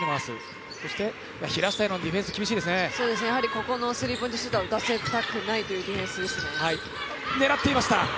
ここのスリーポイントシュートは打たせたくないというディフェンスですね。